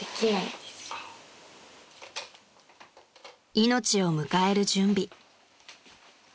［命を迎える準備］